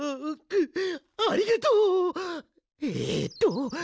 うありがとう！